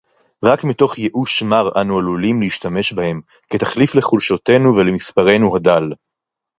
רק מתוך ייאוש מר אנו עלולים להשתמש בהם כתחליף לחולשתנו ולמספרנו הדל.